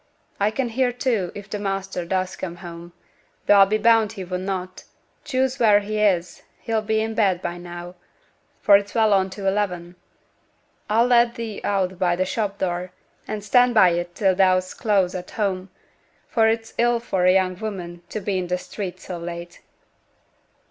A can hear, too, if t' measter does come home; tho' a'll be bound he wunnot; choose wheere he is, he'll be i' bed by now, for it's well on to eleven. I'll let thee out by t' shop door, and stand by it till thou's close at home, for it's ill for a young woman to be i' t' street so late.'